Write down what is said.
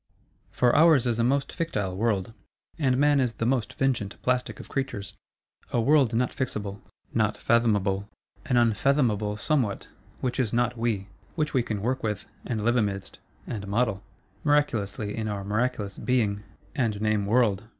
For ours is a most fictile world; and man is the most fingent plastic of creatures. A world not fixable; not fathomable! An unfathomable Somewhat, which is Not we; which we can work with, and live amidst,—and model, miraculously in our miraculous Being, and name World.